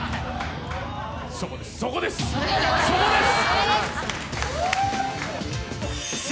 そこですそこです！